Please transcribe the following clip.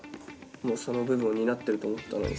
その部分を担ってると思ったのにさ